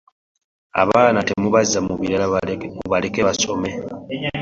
Abaana temubazza mu birala mubaleke basome.